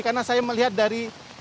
karena saya melihat dari